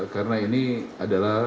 karena ini adalah